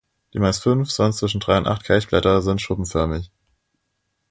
Die meist fünf, sonst zwischen drei und acht Kelchblätter sind schuppenförmig.